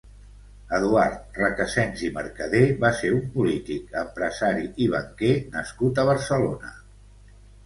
Eduard Recasens i Mercadé va ser un polític, empresari i banquer nascut a Barcelona.